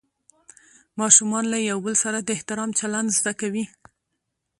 ماشومان له یو بل سره د احترام چلند زده کوي